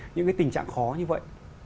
những cái tình trạng khó như vậy